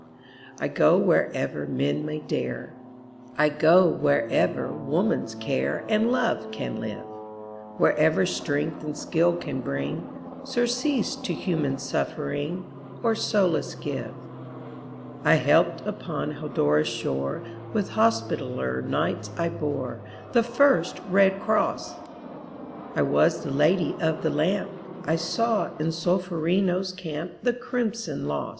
I go wherever men may dare, I go wherever woman's care And love can live, Wherever strength and skill can bring Surcease to human suffering, Or solace give. I helped upon Haldora's shore; With Hospitaller Knights I bore The first red cross; I was the Lady of the Lamp; I saw in Solferino's camp The crimson loss.